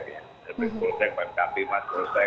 dari polsek pak kapiman polsek